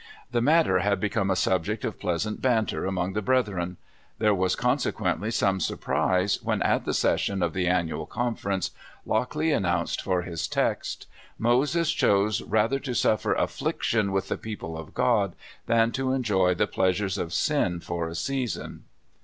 The matter had become a subject of pleasant banter among the brethren. There was consequently some surprise when, at the session of the Annual Conference, Lockley announced for his text: " Moses chose rather to suffer affliction with the people of God, than to enjoy the pleasures of sin for a season."